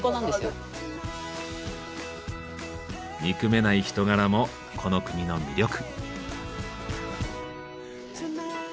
憎めない人柄もこの国の魅力。